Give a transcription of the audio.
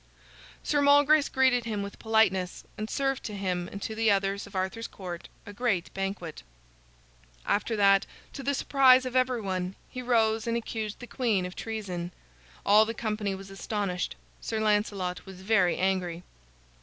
Sir Malgrace greeted him with politeness, and served to him and to the others of Arthur's Court, a great banquet. After that, to the surprise of everyone, he rose and accused the queen of treason. All the company was astonished. Sir Lancelot was very angry.